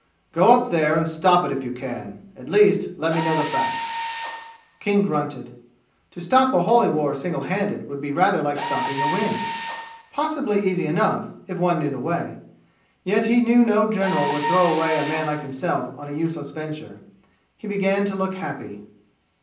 Go up there and stop it if you can. At least, let me know the facts." King grunted. To stop a holy war single handed would be rather like stopping the wind possibly easy enough, if one knew the way. Yet he knew no general would throw away a man like himself on a useless venture. He began to look happy.